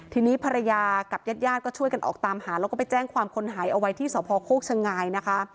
ทีนี้ภรรยากับญาติญาติก็ช่วยกันออกตามหาแล้วก็ไปแจ้งความคนหายเอาไว้ที่สพโคกชะงายนะคะ